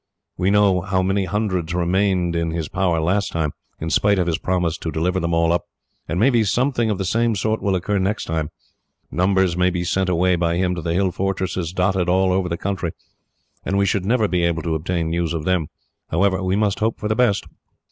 We know how many hundreds remained in his power last time, in spite of his promise to deliver them all up; and maybe something of the same sort will occur next time. Numbers may be sent away, by him, to the hill fortresses dotted all over the country; and we should never be able to obtain news of them. However, we must hope for the best."